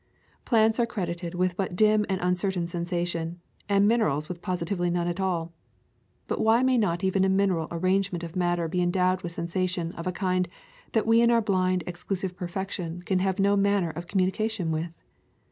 Plants are credited with but dim and uncer tain sensation, and minerals with positively none at all. But why may not even a mineral arrangement of matter be endowed with sensa tion of a kind that we in our blind exclusive perfection can have no manner of communica tion with?